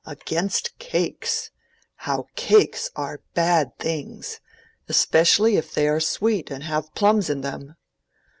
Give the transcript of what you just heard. Against cakes: how cakes are bad things, especially if they are sweet and have plums in them."